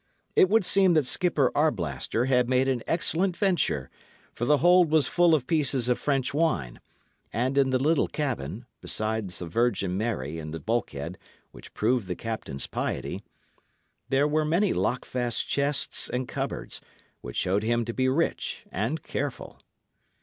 It would seem that Skipper Arblaster had made an excellent venture, for the hold was full of pieces of French wine; and in the little cabin, besides the Virgin Mary in the bulkhead which proved the captain's piety, there were many lockfast chests and cupboards, which showed him to be rich and careful.